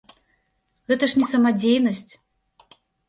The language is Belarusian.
Гэта ж не самадзейнасць!